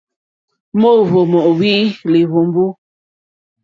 Móǒhwò móóhwì lìhwùmbú.